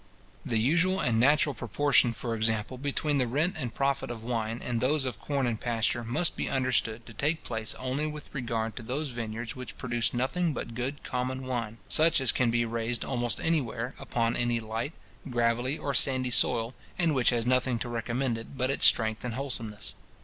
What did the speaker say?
The usual and natural proportion, for example, between the rent and profit of wine, and those of corn and pasture, must be understood to take place only with regard to those vineyards which produce nothing but good common wine, such as can be raised almost anywhere, upon any light, gravelly, or sandy soil, and which has nothing to recommend it but its strength and wholesomeness.